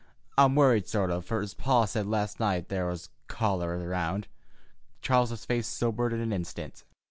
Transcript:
I'm worried, sort of, fer his pa said last night there was cholera round." Charles's face sobered in an instant.